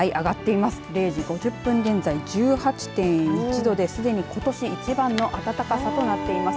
０時５０分現在１８．１度ですでに、ことし一番の暖かさとなっています。